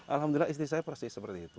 alhamdulillah istri saya persis seperti itu